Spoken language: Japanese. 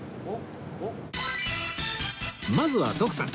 まずは徳さん